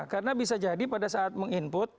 karena bisa jadi pada saat meng input